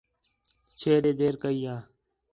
چھے ݙے دیر کئی یا